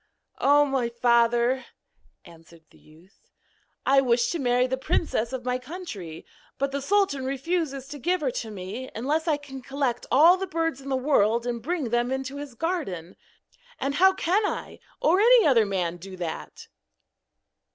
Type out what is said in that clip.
'O, my father,' answered the youth, 'I wish to marry the princess of my country; but the sultan refuses to give her to me unless I can collect all the birds in the world and bring them into his garden. And how can I, or any other man, do that?'